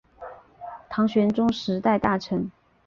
唐玄宗时代大臣。